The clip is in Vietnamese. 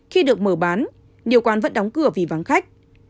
khi được mở bán nhiều quán vẫn đóng cửa vì vắng khách